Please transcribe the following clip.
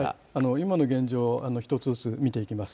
今の現状を一つずつ見ていきます。